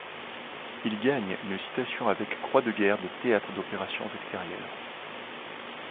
Il gagne une citation avec croix de guerre des théâtres d’opérations extérieures.